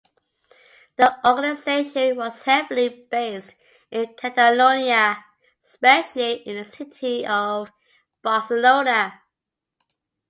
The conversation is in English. The organization was heavily based in Catalonia, specially in the city of Barcelona.